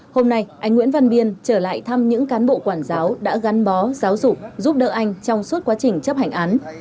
hôm nay anh nguyễn văn biên trở lại thăm những cán bộ quản giáo đã gắn bó giáo dục giúp đỡ anh trong suốt quá trình chấp hành án